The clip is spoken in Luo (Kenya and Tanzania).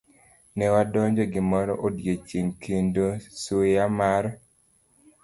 Ne wadonjo gimoro odiechieng' kendo suya mar